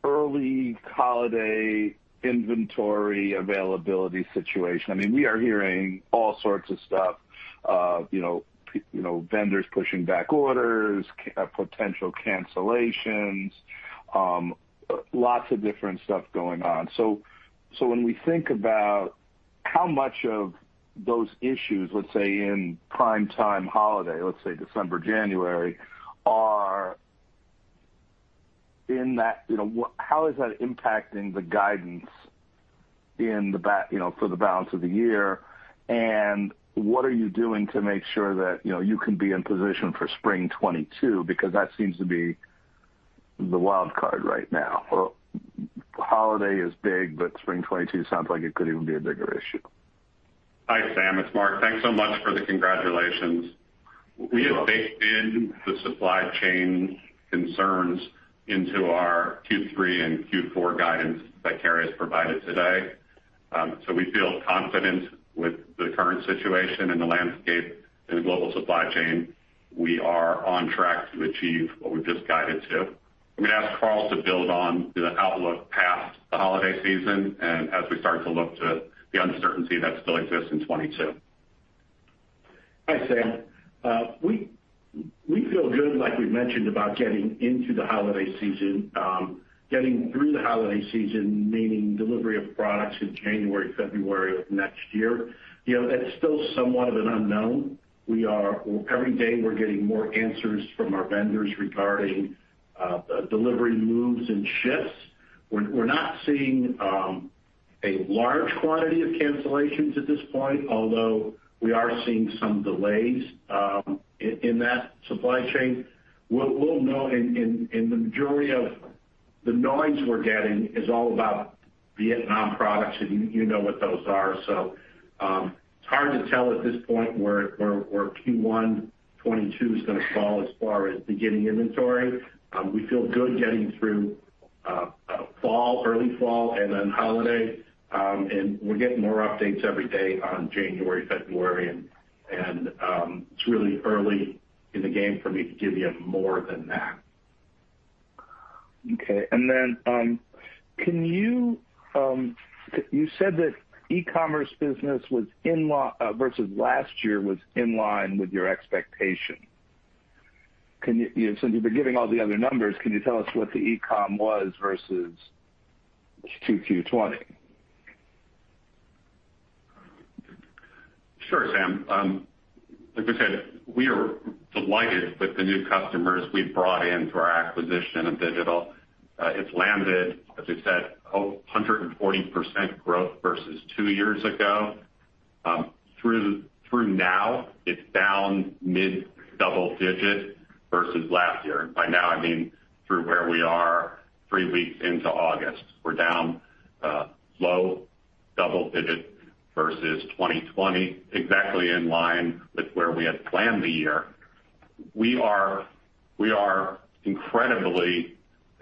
early holiday inventory availability situation. We are hearing all sorts of stuff, vendors pushing back orders, potential cancellations, lots of different stuff going on. When we think about how much of those issues, let's say in prime time holiday, let's say December, January, how is that impacting the guidance for the balance of the year, and what are you doing to make sure that you can be in position for spring 2022? That seems to be the wild card right now. Holiday is big, but spring 2022 sounds like it could even be a bigger issue. Hi, Sam. It's Mark. Thanks so much for the congratulations. You're welcome. We have baked in the supply chain concerns into our Q3 and Q4 guidance that Kerry has provided today. We feel confident with the current situation and the landscape in the global supply chain. We are on track to achieve what we've just guided to. I'm going to ask Carl to build on the outlook past the holiday season, and as we start to look to the uncertainty that still exists in 2022. Hi, Sam. We feel good, like we've mentioned, about getting into the holiday season. Getting through the holiday season, meaning delivery of products in January, February of next year. That's still somewhat of an unknown. Every day, we're getting more answers from our vendors regarding delivery moves and shifts. We're not seeing a large quantity of cancellations at this point, although we are seeing some delays in that supply chain. what we know the majority of the noise we're getting is all about Vietnam products, and you know what those are. It's hard to tell at this point where Q1 2022 is going to fall as far as beginning inventory. We feel good getting through early fall and then holiday. We're getting more updates every day on January, February, and it's really early in the game for me to give you more than that. Okay. You said that e-commerce business versus last year was in line with your expectation. Since you've been giving all the other numbers, can you tell us what the e-com was versus 2Q 2020? Sure, Sam. Like we said, we are delighted with the new customers we've brought in through our acquisition of digital. It's landed, as we said, 140% growth versus two years ago. Through now, it's down mid double-digit versus last year. By now, I mean through where we are three weeks into August. We're down low double-digit versus 2020, exactly in line with where we had planned the year. We are incredibly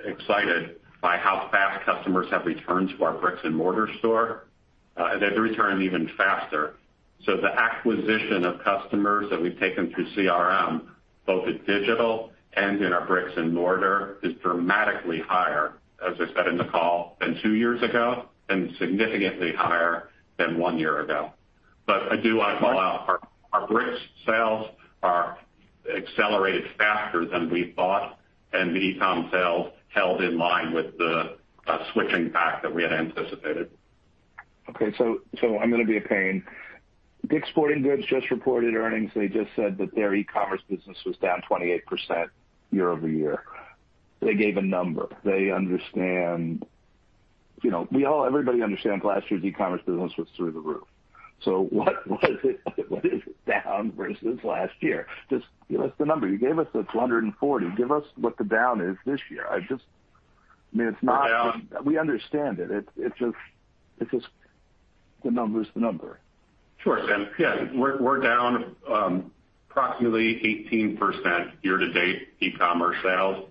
excited by how fast customers have returned to our bricks and mortar store. They've returned even faster. So, the acquisition of customers that we've taken through CRM, both at digital and in our bricks and mortar, is dramatically higher, as I said in the call, than two years ago, and significantly higher than one year ago. I do want to call out, our bricks sales are accelerated faster than we thought, and the e-com sales held in line with the switch impact that we had anticipated. Okay, I'm going to be a pain. DICK'S Sporting Goods just reported earnings. They just said that their e-commerce business was down 28% year-over-year. They gave a number. Everybody understands last year's e-commerce business was through the roof. What is it down versus last year? Just give us the number. You gave us it's 140. Give us what the down is this year. We understand it's just the number's the number. Sure, Sam. Yeah. We're down approximately 18% year to date e-commerce sales.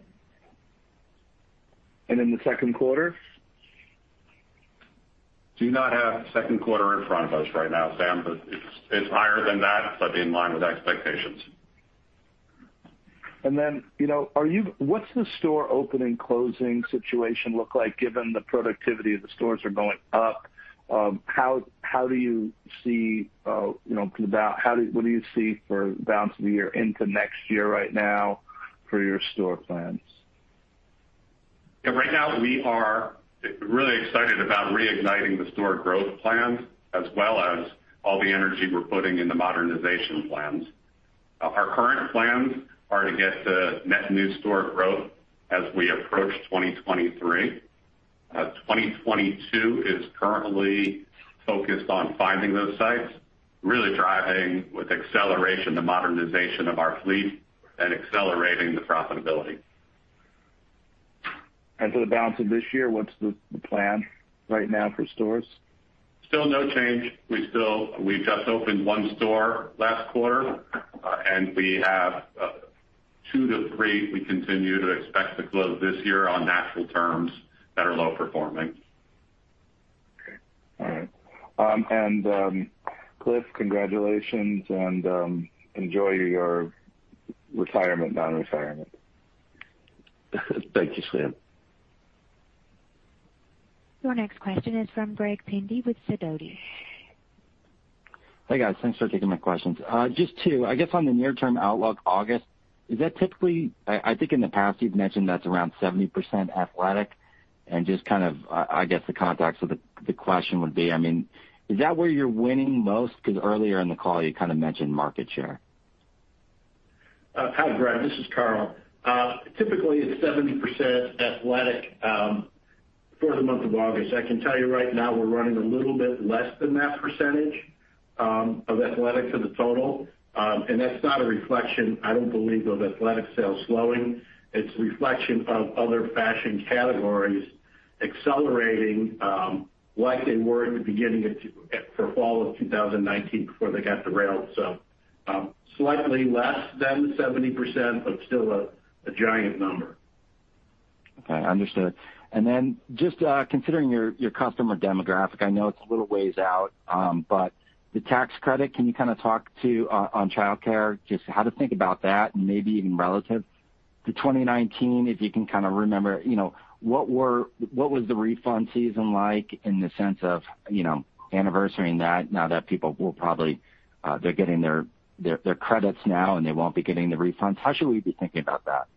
And in the second quarter? Do not have second quarter in front of us right now, Sam, but it's higher than that, but in line with expectations. And then what's the store opening, closing situation look like given the productivity of the stores are going up? What do you see for balance of the year into next year right now for your store plans? Right now, we are really excited about reigniting the store growth plans, as well as all the energy we're putting in the modernization plans. Our current plans are to get to net new store growth as we approach 2023. 2022 is currently focused on finding those sites, really driving with acceleration the modernization of our fleet, and accelerating the profitability. For the balance of this year, what's the plan right now for stores? Still no change. We just opened 1 store last quarter. We have two to three we continue to expect to close this year on natural terms that are low performing. Okay. All right. Cliff, congratulations, and enjoy your retirement, non-retirement. Thank you, Sam. Your next question is from Greg Pendy with Sidoti. Hey, guys. Thanks for taking my questions. Just two. I guess on the near term outlook, August, is that typically I think in the past you've mentioned that's around 70% athletic, and just kind of, I guess the context of the question would be, is that where you're winning most? Earlier in the call, you kind of mentioned market share. Hi, Greg. This is Carl. Typically, it's 70% athletic for the month of August. I can tell you right now we're running a little bit less than that percentage of athletic to the total. That's not a reflection, I don't believe, of athletic sales slowing. It's a reflection of other fashion categories accelerating like they were in the beginning of fall of 2019 before they got derailed. Slightly less than 70%, but still a giant number. Okay, understood. Just considering your customer demographic, I know it's a little ways out. The tax credit, can you talk to, on childcare, just how to think about that and maybe even relative to 2019, if you can remember. What was the refund season like in the sense of anniversarying that now that They're getting their credits now, and they won't be getting the refunds? How should we be thinking about that?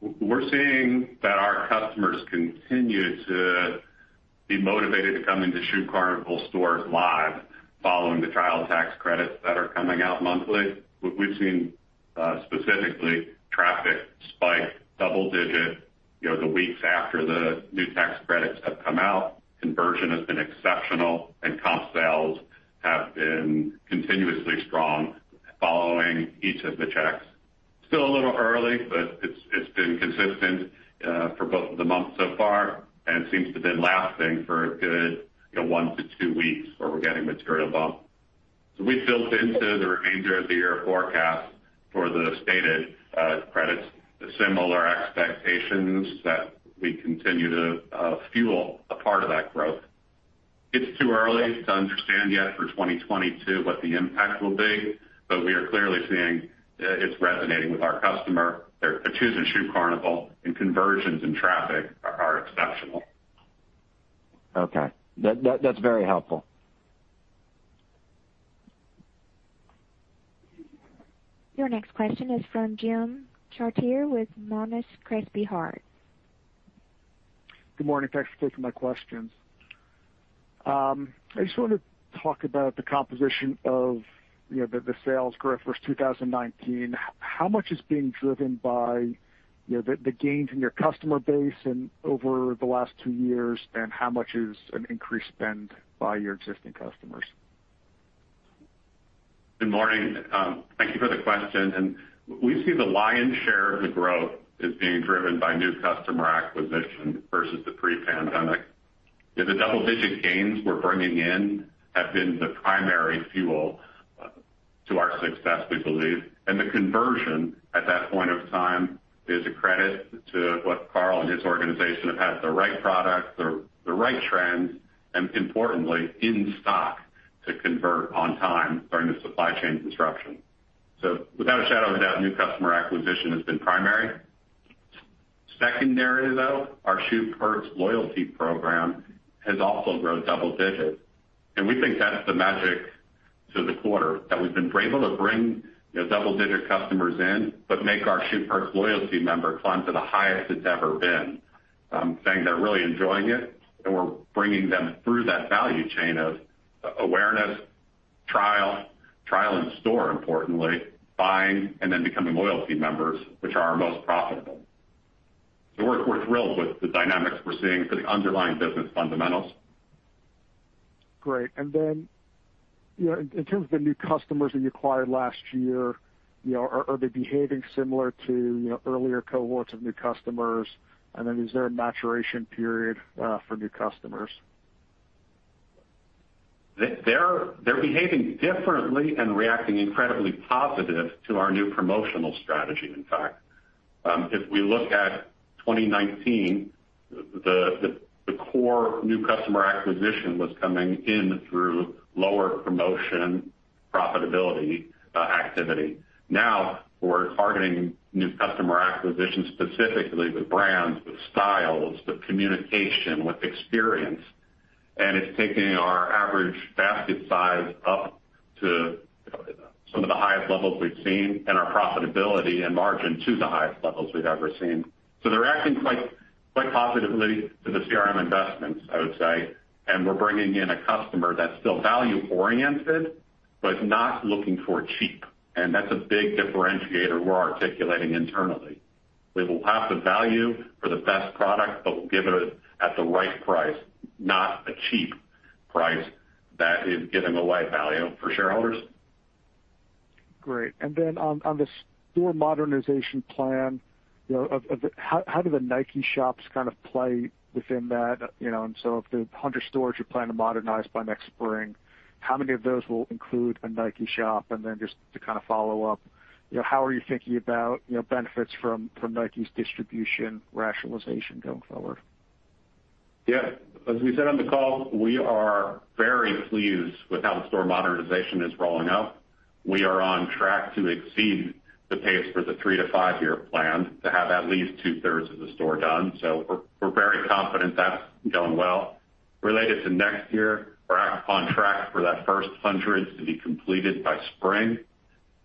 We're seeing that our customers continue to be motivated to come into Shoe Carnival stores live following the child tax credits that are coming out monthly. We've seen specifically traffic spike double digit the weeks after the new tax credits have come out. Conversion has been exceptional, and comp sales have been continuously strong following each of the checks. Still a little early, but it's been consistent for both of the months so far and seems to have been lasting for a good one to two weeks where we're getting material bump. We've built into the remainder of the year forecast for the stated credits, similar expectations that we continue to fuel a part of that growth. It's too early to understand yet for 2022 what the impact will be, but we are clearly seeing it's resonating with our customer. They're choosing Shoe Carnival, and conversions and traffic are exceptional. Okay. That's very helpful. Your next question is from Jim Chartier with Monness Crespi Hardt. Good morning. Thanks for taking my questions. I just wanted to talk about the composition of the sales growth versus 2019. How much is being driven by the gains in your customer base over the last two years, and how much is an increased spend by your existing customers? Good morning. Thank you for the question. We see the lion's share of the growth is being driven by new customer acquisition versus the pre-pandemic. The double-digit gains we're bringing in have been the primary fuel to our success, we believe. The conversion at that point of time is a credit to what Carl and his organization have had the right product, the right trends, and importantly, in stock to convert on time during the supply chain disruption. Without a shadow of a doubt, new customer acquisition has been primary. Secondary, though, our Shoe Perks loyalty program has also grown double digits, and we think that's the magic to the quarter. We've been able to bring double-digit customers in but make our Shoe Perks loyalty member climb to the highest it's ever been. Saying they're really enjoying it, we're bringing them through that value chain of awareness, trial in store importantly, buying, and then becoming loyalty members, which are our most profitable. We're thrilled with the dynamics we're seeing for the underlying business fundamentals. Great, and then in terms of the new customers that you acquired last year, are they behaving similar to earlier cohorts of new customers? Is there a maturation period for new customers? They're behaving differently and reacting incredibly positive to our new promotional strategy, in fact. If we look at 2019, the core new customer acquisition was coming in through lower promotion profitability activity. Now we're targeting new customer acquisition, specifically with brands, with styles, with communication, with experience, and it's taking our average basket size up to some of the highest levels we've seen, and our profitability and margin to the highest levels we've ever seen. They're acting quite positively to the CRM investments, I would say. We're bringing in a customer that's still value oriented, but is not looking for cheap. That's a big differentiator we're articulating internally. We will have the value for the best product, but we'll give it at the right price, not a cheap price. That is giving away value for shareholders. Great. On the store modernization plan, how do the Nike shops kind of play within that? If the 100 stores you're planning to modernize by next spring, how many of those will include a Nike shop? Just to kind of follow up, how are you thinking about benefits from Nike's distribution rationalization going forward? Yeah, as we said on the call, we are very pleased with how the store modernization is rolling out. We are on track to exceed the pace for the 3-5 year plan to have at least two-thirds of the store done. We're very confident that's going well. Related to next year, we're on track for that first 100 to be completed by spring.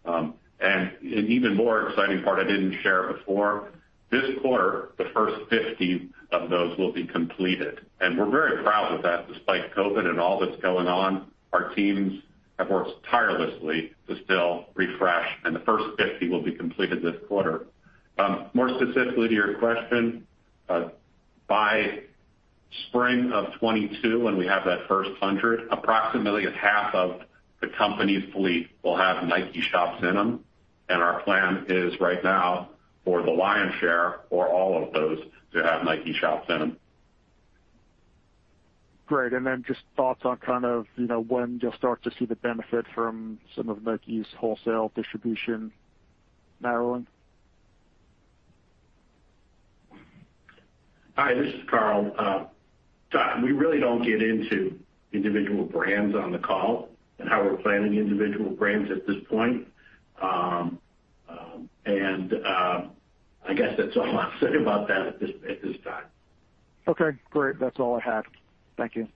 An even more exciting part I didn't share before, this quarter, the first 50 of those will be completed, and we're very proud of that. Despite COVID and all that's going on, our teams have worked tirelessly to still refresh, and the first 50 will be completed this quarter. More specifically to your question, by spring of 2022, when we have that first 100, approximately half of the company's fleet will have Nike shops in them. Our plan is right now for the lion's share or all of those to have Nike shops in them. Great. Then just thoughts on kind of when you'll start to see the benefit from some of Nike's wholesale distribution narrowing? Hi, this is Carl. Todd, we really don't get into individual brands on the call and how we're planning individual brands at this point. I guess that's all I'll say about that at this time. Okay, great. That is all I had. Thank you.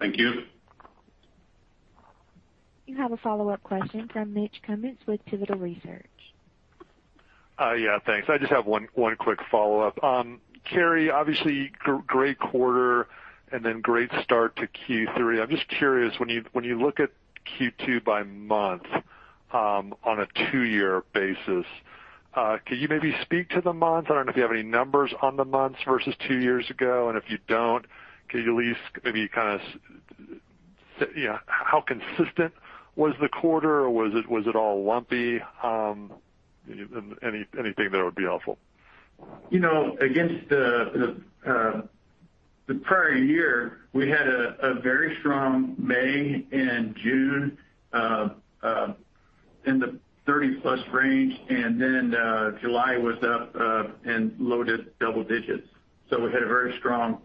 Thank you. You have a follow-up question from Mitchel Kummetz with Pivotal Research. Thanks. I just have one quick follow-up. Kerry, obviously, great quarter and then great start to Q3. I'm just curious, when you look at Q2 by month on a two year basis, can you maybe speak to the months? I don't know if you have any numbers on the months versus two years ago. If you don't, can you at least maybe how consistent was the quarter, or was it all lumpy? Anything that would be helpful. Against the prior year, we had a very strong May and June in the 30-plus range, and then July was up in low to double digits. We had a very strong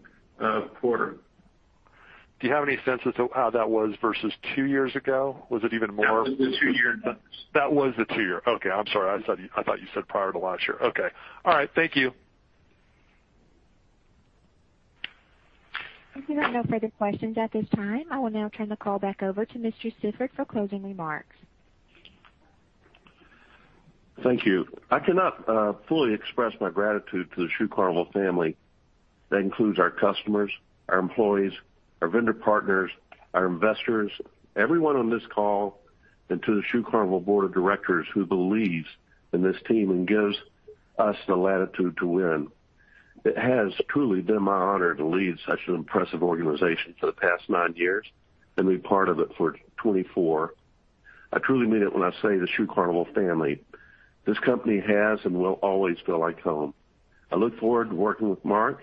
quarter. Do you have any sense as to how that was versus two years ago? That was the two year. That was the two year. Okay. I'm sorry. I thought you said prior to last year. Okay. All right. Thank you. If there are no further questions at this time, I will now turn the call back over to Mr. Sifford for closing remarks. Thank you. I cannot fully express my gratitude to the Shoe Carnival family. That includes our customers, our employees, our vendor partners, our investors, everyone on this call, and to the Shoe Carnival board of directors who believes in this team and gives us the latitude to win. It has truly been my honor to lead such an impressive organization for the past nine years and be part of it for 24. I truly mean it when I say the Shoe Carnival family. This company has and will always feel like home. I look forward to working with Mark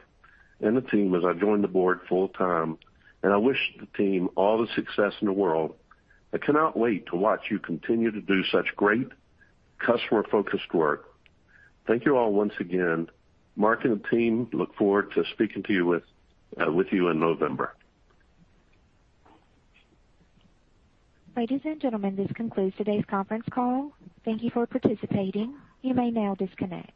and the team as I join the board full time, and I wish the team all the success in the world. I cannot wait to watch you continue to do such great customer-focused work. Thank you all once again. Mark and the team, look forward to speaking to you with you in November. Ladies and gentlemen, this concludes today's conference call. Thank you for participating. You may now disconnect.